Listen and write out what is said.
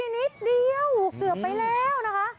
นิดเดียวเกือบไปแล้วนะคะ